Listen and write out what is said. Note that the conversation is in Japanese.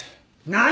何！？